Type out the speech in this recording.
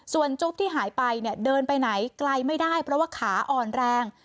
ส่วนจุ๊บที่หายไปเนี่ยเดินไปไหนไกลไม่ได้เพราะว่าขาอ่อนแรง